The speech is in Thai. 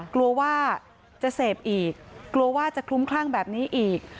กลัวว่าจะเสพอีกกลัวว่าจะคลุ้มคลั่งแบบนี้อีก